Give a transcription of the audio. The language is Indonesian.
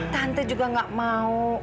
tante juga nggak mau